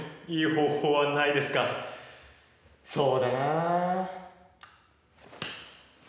そうだな。